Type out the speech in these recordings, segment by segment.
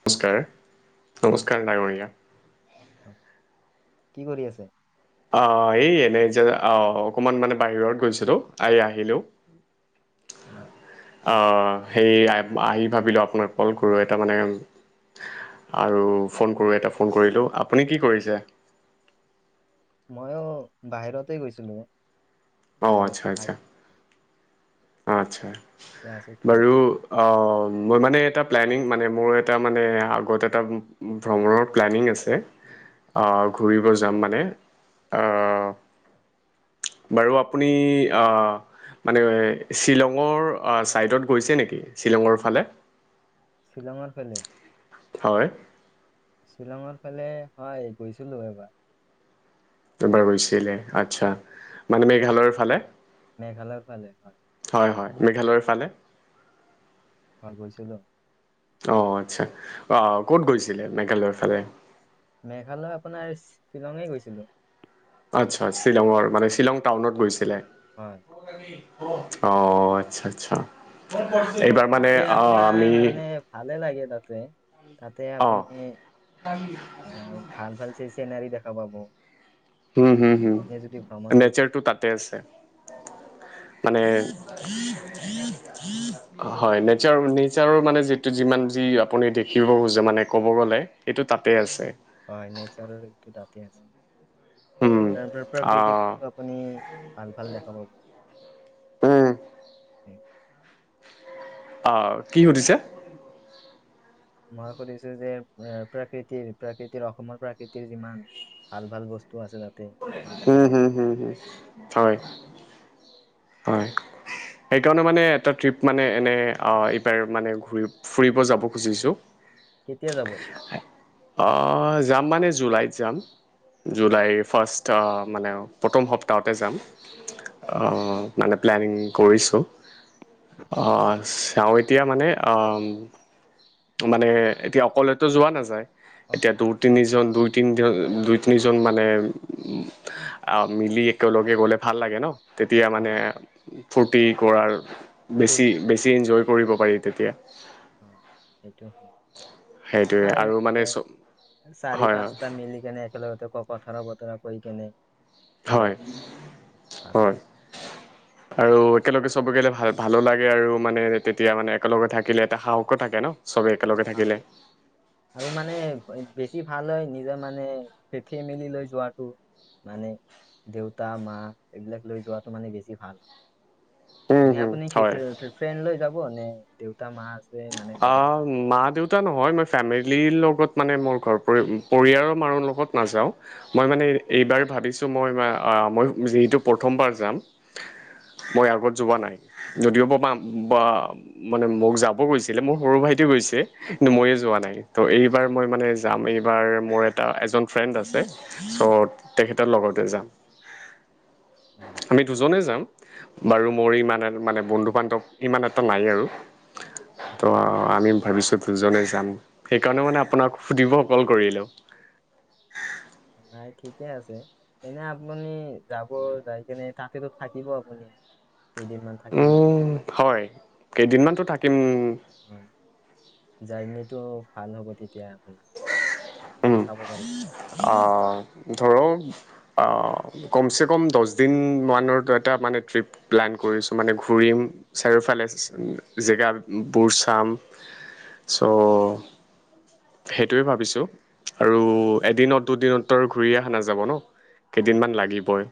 নমস্কাৰ নমস্কাৰ ডাঙৰীয়া কি কৰি আছে অ এই এনেই যে অ অকমান মানে বাহিৰত গৈছিলো আহ আহিলো অ আচ্ছা অ সেই আহি ভাবিলোঁ আপোনাক কল কৰোঁ এটা মানে আৰু ফোন কৰোঁ এটা ফোন কৰিলোঁ আপুনি কি কৰিছে ময়ো বাহিৰতে গৈছিলো অ আচ্ছা বাহিৰত আচ্ছা আচ্ছা এতিয়া আছো বাৰু ঘৰতে অ মই মানে এটা প্লেনিং মানে মোৰ এটা মানে আগত এটা ভ্ৰমণৰ প্লেনিং আছে হয় আহ ঘূৰিব যাম মানে আহ বাৰু আপুনি আহ মানে শ্বিলঙৰ চাইডত গৈছে নেকি শ্বিলঙৰ ফালে শ্বিলঙৰ ফালে হয় শ্বিলঙৰ ফালে হয় গৈছিলো এবাৰ এবাৰ গৈছিলে আচ্ছা মানে মেঘালয়ৰ ফালে মেঘালয়ৰ ফালে হয় হয় হয় মেঘালয়ৰ ফালে হয় গৈছিলো আহ আচ্ছা আহ ক'ত গৈছিলে মেঘালয়ৰ ফালে মেঘালয় আপোনাৰ শ্বিলঙে গৈছিলো আচ্ছা শ্বিলঙৰ মানে শ্বিলং টাউনত গৈছিলে হয় অ আচ্ছা আচ্ছা এইবাৰ মানে তাতে অ আমি আপোনাৰ মানে ভালে লাগে তাতে তাতে অ আপুনি এ ভাল ভাল চ চিনাৰি দেখা পাব হম তাতে হুম হুম আপুনি যদি ভ্ৰমণ কৰিব নেচাৰ টো তাতে আছে মানে হয় নেচাৰ নেচাৰৰ মানে যিটো যিমান যি আপুনি দেখিব খোজে মানে ক'ব গ'লে এইটো তাতেই আছে হয় নেচাৰৰ এইটো দাঁতি উম আছে প্ৰকৃতি আহ আপুনি ভাল ভাল দেখা পাব আহ [inaudible] অ কি সুধিছে মই সুধিছো যে প্ৰাকৃতিৰ প্ৰাকৃতিৰ অসমৰ প্ৰাকৃতিৰ যিমান ভাল ভাল বস্তু আছে দাত উম হম হম হ হয় হয় সেইকাৰণে মানে এটা ট্ৰিপ মানে এনে এইবাৰ মানেৰি ফুৰিব যাব খুজিছো কেতিয়া যাব অঁ যাম মানে জুলাইত যাম জুলাইৰ ফাৰ্ষ্ট মানে প্ৰথম সপ্তাহতে যাম অ মানে প্লেনিং কৰিছো আহ এতিয়া মানে মানে এতিয়া অকলেতো যোৱা নাযায় এতিয়া অকল দুই তিনিজন দুই তিনিজন দুই তিনিজন মানে মিলি একেলগে গ'লে ভাল লাগে ন তেতিয়া মানে হয় ফূৰ্তি কৰাৰ বেছি ফূৰ্তি থাকে বেছি এনজয় কৰিব পাৰি তেতিয়া হয় সেইটো হয় সেইটোৱে হয় এই আৰু মানে এ চ চাৰি হয় হয় পাঁচটা মিলি কেনে একেলগতে ক কথাৰব তৰা কৰি কেনে যাব হয় ভাল হয়। লাগে আৰু একেলগে চব গ'লে ভাল ভালো লাগে আৰু মানে তেতিয়া মানে একেলগে থাকিলে এটা সাহসো থাকে ন'। চবে একেলগে অ', থাকিলে আৰু মানে বেছি ভাল হয় নিজৰ মানে ঠি [unintelligible] মেলি লৈ যোৱাাতটো মানে দেউতা, মা এইবিলাক লৈ যোৱাটো মানে বেছি ভাল হয়। হয়। উম এনে হুম আপুনি কি ফ্ৰেণ্ড লৈ যাব নে দেউতা, মা? মানে লগত? অ', মাক ন এইবাৰ ভাবিছো মই যি প্ৰথম বাৰ জাম মই আগত যোৱা নাই যদিও ব মানে মোক যাব গৈছে মোৰ সৰু ভাইটি গৈছে কিন্তু মইয়ে যোৱা নাই ত' এইবাৰ মই মানে যাম এইবাৰ মোৰ এটা এজন ফ্ৰেণ্ড আছে চ' তেখেতৰ লগতে যাম অ', আমি দুজনে যাম বাৰু মোৰ ইমান এ মানে বন্ধু বান্ধৱ ইমান এটা নাই আৰু অ', ত আমি ভাবিছো দুজনে যাম সেইকাৰণে মানে আপোনাক সুধিব অকলল কৰিলেো উম নাই ঠিকে আছে, এনে আপুনি যাব যাই কিনে তাতেতো থাকিব আপুনি। কেইদিনমান উ থাকিব। হয়, কেইদিনমানতো থাকিম। হয়, জাৰ্ণিটো ভাল হ'ব তেতিয়া আপোনাৰ চব বস্তু উম চাব পাৰিব আহ অ', কমচে কম দহ দিন মানত এটা মানে ট্ৰিপ প্লেন কৰিছো মানে ঘ চাৰিওালে জেগাবোৰ চাম ছ' সেইটোৱে ভাবিছোঁ আৰু এদিনত দুদিনতো ঘূৰি অহা নাযাব ন' কেইদিনমান লাগিবই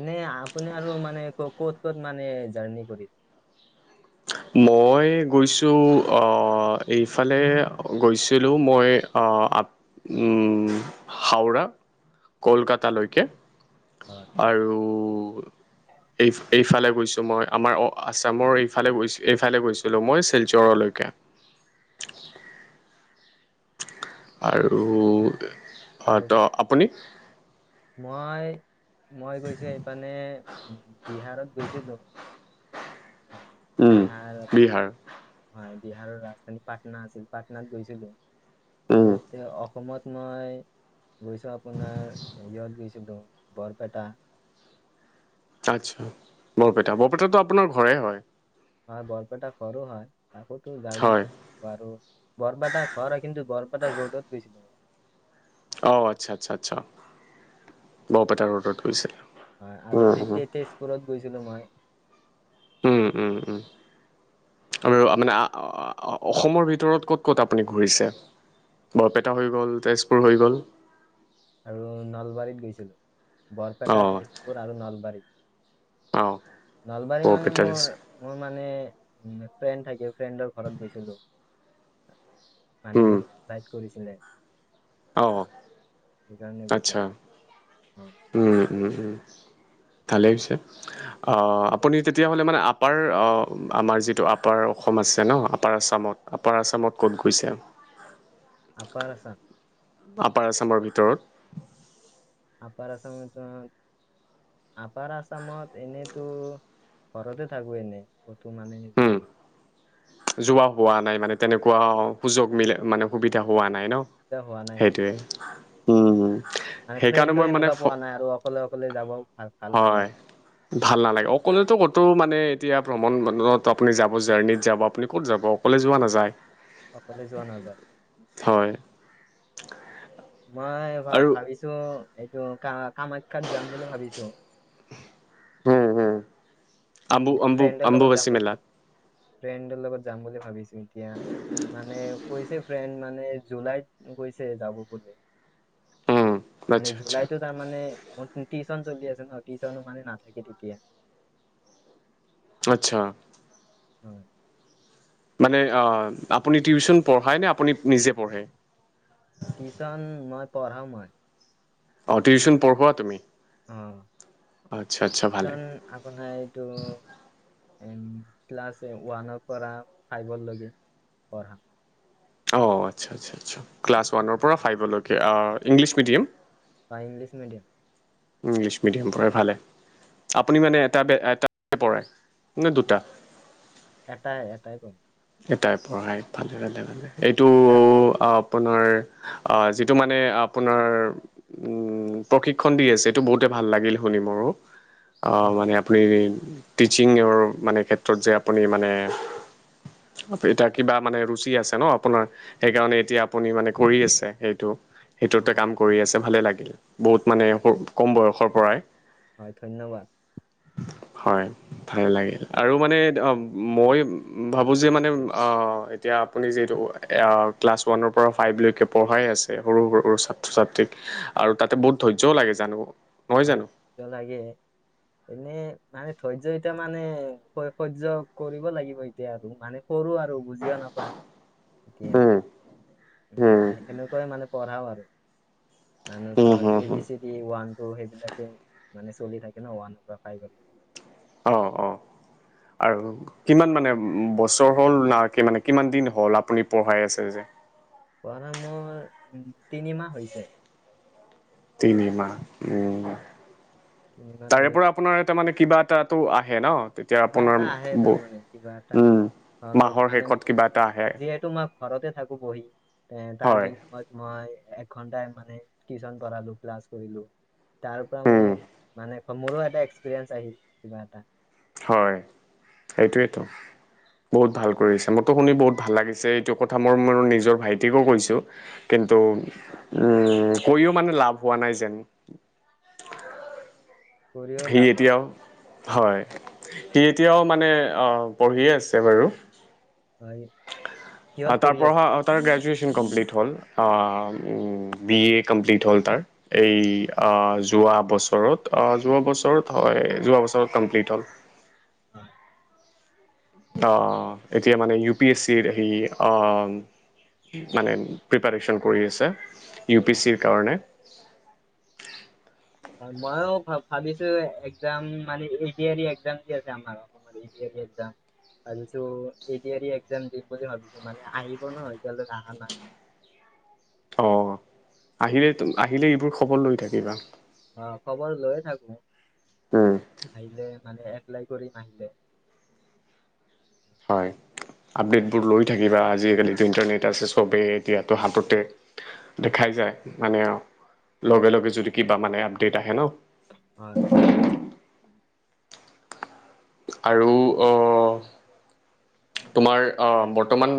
এনেই আপুনি আৰু মানে ক ক'ত মানে জাৰ্ণি কৰিলে। মই গৈছোঁ এইফালে গৈছিলোঁ মই উ হাওৰা কলকাতালৈকে হয় আৰু এই এইফালে গৈছো মই আমাৰ অ', আছামৰ এইফালে গৈছো এইফালে গৈছিলোঁ মই শিলচৰলৈকে আৰু অ', আৰু ত আপুনি? মই মই গৈছো এইপিনে উ বিহাৰত গৈছিলো উম বিহাৰ আপোনাৰ বিহাৰ হয় বিহাৰৰ ৰাজধানী পাটনা আছিল পাটনাত গৈছিলো উম আৰু এতিয়া অসমত মই গৈছোঁ আপোনাৰ ইয়ত গৈছিলো বৰপেটা আচ্ছা বৰপেটা, বৰপেটাটো আপোনাৰ ঘৰে হয়। হয় বৰপেটা ঘৰো হয়। তাকোতো জাৰ্ণি হয় আৰু বৰপেটা ঘৰ হয় কিন্তু বৰপেটা ৰোডত গৈছিলো মই। অ আচ্ছা আচ্ছা আচ্ছা বৰপেটা ৰোডত গৈছিল। হয় আৰু উম তে উম তেজপুৰত গৈছিলো মই উম উম উম। আৰু মানে অসমৰ ভিতৰত ক'ত ক'ত আপুনি ঘূৰিছে? বৰপেটা হৈ গ'ল, তেজপুৰ হৈ গ'ল আৰু নলবাৰীত গৈছিলো অ বৰপেটা তেজপুৰ আৰু অ নলবাৰীত। নলবাৰী মানে বৰপেটা মোৰ মোৰ মানে উ ফ্ৰেণ্ড থাকে ফ্ৰেণ্ডৰ ঘৰত গৈছিলো মানে উম মোক ইনভাইট কৰিছিল [unintelligible] অ', আচ্ছা, হয় উ উ উ। ভালেই হৈছে আপুনি তেতিয়াহ'লে মানে আপাৰ আমাৰ যিটো আপাৰ অসম আছে ন আপাৰ আসামত আপাৰ আসামত ক'ত গৈছে আপাৰ আসাম আপাৰ আছামৰ ভিতৰত আপাৰ আছামটো আপাৰ আছামত এনেইতো ঘৰতে থাকো এনে কত মানে যোৱা উম নহয় যোৱা হোৱা নাই মানে তেনেকুৱা হোৱা সুযোগ মিলে মানে সুবিধা হোৱা নাই নাই ন', এতিয়া হোৱা নাই সেনো সেইটোয়ে উম। মানে সেইকাৰণে ফ্ৰেণ্ডো মই মানে সেনেকুৱা ফ পোৱা নাই আৰু অকলে অকলে যাব ভাল ভাল হয়, নালাগে ভাল নালাগে অকলেতো ক'তো মানে মানে এতিয়া ভ্ৰমণ বত আপুনি যাব জাৰ্ণিত যাব আপুনি ক'ত যাব অকলে যোৱা নাযায়? অকলে যোৱা নাযায়। হয় মই ভা আৰু ভাবিছো এইটো কা কামাখ্যাত যাম বুলি ভাবিছো উম হম আু অু ফ্ৰেণ্ডৰ লগত যাম বুলি আ্বুবচিমেলা ভাবি ফ্ৰেণ্ডৰ লগত যাম বুলি ভাবিছো এতিয়া মানে কৈছে ফ্ৰেণ্ড মানে জুলাইত গৈছে যাব বুলি অ মানে জুলাইতো তাৰ মানে মোৰ চলি আছে ন টিউছনো মানে নাথাকে তেতিয়া আচ্ছা হয় মানে আপুনি টিউচন পঢ়ায় নে আপুনি নিজে পঢ়ে টিউচন মই পঢ়া মই অ টিউচন পঢ়ুৱা তুমি অ আচ্ছা আচ্ছা ভালে। কাৰণ আপোনাৰ এইটো ক্লাছ ওৱানৰ পৰা ফাইভৰ লৈকে পঢ়া অ আচ্ছা আচ্ছা আচছা ক্লাছ ৱানৰ পৰা ফাইভলৈেংলিছ মডিয়াম হয় ইংলিছ মিডিয়াম ইংলিছ মিডিয়াম পঢ়াই ভালে আপুনি মানে এটা এট পৰে ন দুটা এটাই এটাই ক এটাই পঢ়াই ভালেে ভালে এইটো আপোনাৰ যিটো মানে আপোনাৰ উম প্ৰশিক্ষণ দি আছে এইটো বহুতে ভাল লাগিল শুনিম আৰু হয় মানে আপুনি টিচিঙৰ মানে ক্ষেত্ৰত যে আপুনি মানে এতিয়া কিবা মানে ৰুচি আছে ন আপোনাৰ সেইকাৰণে এতিয়া আপুনি মানে কৰি আছে সেইটো সেইটোতে হয় কাম কৰি আছে ভালে লাগিল বহুত মানে কম বয়সৰ পৰাই হয় ধন্যবাদ হয় ভাল লাগিল আৰু মানে অ মই ভাবোঁ যে মানে এতিয়া আপুনি যিহেতু ক্লাছ ওৱানৰ পৰা ফাইভলৈকে পঢ়াই আছে ছে সৰু সৰুৰু ছাত্ৰ ছাত্ৰীক আৰু তাতে বহুত ধৈৰ্যয়ও লাগে জানো নহয় হয় জানো চ নাগে এনেই মানে ধৈৰ্য এতিয়া মানেৈ সহ্য কৰিব লাগিব এতিয়া আৰু মানে কৰো আৰু বুজিও নাপায় এতিয়া উম মানে সেনেকুৱাই মানে পঢ়াও আৰু মানে ধৰক এ বি চিটি ওৱান ত' সেইবিলাকে মানে চলি থাকে ন ওৱানৰ পৰা ফাইভৰ লকে অহ', অহ'। আৰু কিমান মানে বছৰ হ'ল না, কি মানে কিমান দিন হ'ল আপুনি পঢ়াই আছে যে। [unintelligible] পৰা মোৰ উম, তিনিমাহ হৈছে। তিনিমাহ উম, তিনিমাহ তাৰে ধৰি পৰা আপোনাৰ এটা মানে কিবা এটাতো আহে ন। তেতিয়া কিবা এটা আপোনাৰ আহে ব তাৰমানে কিবা এটা উম, ধৰক মাহৰ মানে শেষত কিবা এটা আহে। যিহেতু মই ঘৰতে থাকো বহি এ তাৰ হয় বিনিময়ত মই এক ঘন্টাই মানে টিউচন পঢ়ালো, ক্লাছ কৰিলোঁ, তাৰ পৰা মই উম মানে মোৰো এটা এক্সপিৰিয়েঞ্চ আহিল কিবা এটা হয় সেইটোৱেইেতো বহুত ভাল কৰি আছে মোৰতো শুনি বহুত ভাল লাগিছে এইটো কথা মই মোৰ নিজৰ ভাইটিকো কৈছো কিন্তু উম কৈও মানে লাভ হোৱা নাই যেন কৰিও সি লাভ হোৱা এতিয়াও হয় সি এতিয়াও মানে পঢ়িয়ে আছে বাৰু হয় কিহত পঢ়ি তাৰপ আছে তাৰ গ্ৰজন বি এ কমপ্লিট হ'ল যোৱা বছৰত যোৱা বছৰত হয় যোৱা বছ কমপ্লিট হ'ল হয়। অহ', অহ', অহ' এতিয়া মানে ইউ পি এছ চিৰ সেই, অহ, অহ। মানে প্ৰিপাৰেচন কৰি আছে ইউ পি হয় চিৰ কাৰণে। হয় মইও ভাবিছোঁ এক্জাম মানো, ইউ পি আৰই এক্জাম দিয়াৰ কাম আৰম্ভ কৰিম। যাম। ভাবিছোঁ এ পি আৰই একজাম দিম বুলি ভাবিছোঁ মানে আহিব ন এতিয়ালৈকে আহা নাই। অহ' আহিলেতো আহিলে এইবোৰ খবৰ লৈ থাকিবা। অহ' খবৰ লৈয়ে থাকো। উম, আহিলে মানে এপ্লাই কৰিম আহিলে। হয়। আপডেটবোৰ লৈ থাকিবা আজিকালিতটো ইন্টাৰনেট আছে চবেই এতিয়াতো হাততে দেখাই আহি যায় মানে অহ, লগে লগে যদি কিবা মানে আপডেট আহে ন। হয়। আৰু অহ, তোমাৰ অহ বৰ্তমান